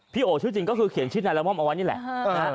โอชื่อจริงก็คือเขียนชื่อนายละม่อมเอาไว้นี่แหละ